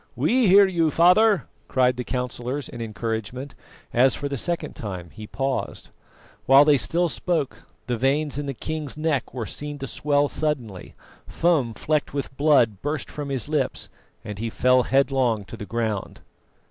"We hear you, Father," cried the councillors in encouragement, as for the second time he paused. While they still spoke, the veins in the king's neck were seen to swell suddenly, foam flecked with blood burst from his lips, and he fell headlong to the ground.